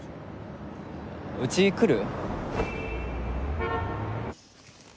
うち来る？